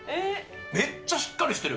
めっちゃしっかりしてる。